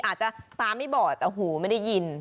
อาจจะตาไม่บอดแต่หูไม่ได้ยิน